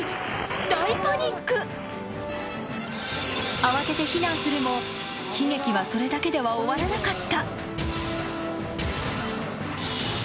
［慌てて避難するも悲劇はそれだけでは終わらなかった］